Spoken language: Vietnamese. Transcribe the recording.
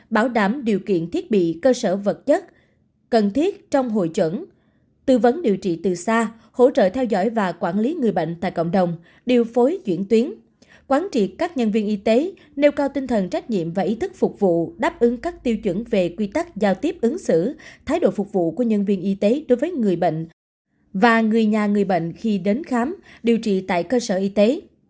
bảo đảm điều kiện thiết bị cơ sở vật chất cần thiết trong hội chuẩn tư vấn điều trị từ xa hỗ trợ theo dõi và quản lý người bệnh tại cộng đồng điều phối chuyển tuyến quán trị các nhân viên y tế nêu cao tinh thần trách nhiệm và ý thức phục vụ đáp ứng các tiêu chuẩn về quy tắc giao tiếp ứng xử thái độ phục vụ của nhân viên y tế đối với người bệnh và người nhà người bệnh khi đến khám điều trị tại cơ sở y tế